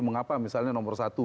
mengapa misalnya nomor satu